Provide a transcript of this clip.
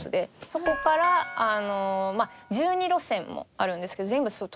そこから１２路線もあるんですけど全部とても個性的で。